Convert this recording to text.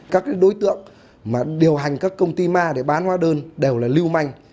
các đối tượng mà điều hành các công ty ma để bán hóa đơn đều là lưu manh